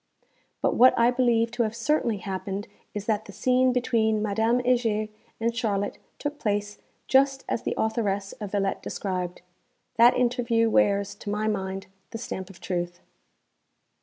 But what I believe to have _certainly happened is that the scene between Madame Heger and Charlotte took place just as the authoress of 'Villette' described_. That interview wears, to my mind, the stamp of truth.